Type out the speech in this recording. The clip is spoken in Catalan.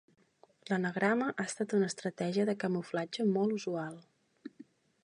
L'anagrama ha estat una estratègia de camuflatge molt usual.